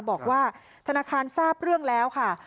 บอกว่าธนาคารทราบเรื่องแล้วค่ะ